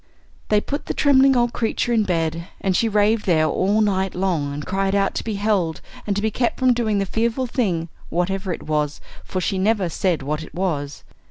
They put the trembling old creature in bed, and she raved there all the night long and cried out to be held, and to be kept from doing the fearful thing, whatever it was for she never said what it was.